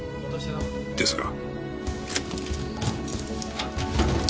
ですが。